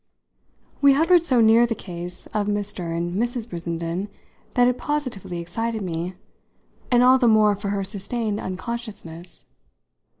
We hovered so near the case of Mr. and Mrs. Brissenden that it positively excited me, and all the more for her sustained unconsciousness.